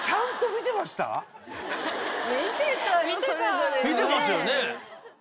見てますよね。